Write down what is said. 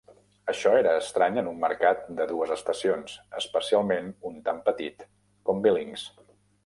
Això era estrany en un mercat de dues estacions, especialment un tant petit com Billings.